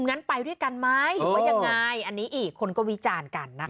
งั้นไปด้วยกันไหมหรือว่ายังไงอันนี้อีกคนก็วิจารณ์กันนะคะ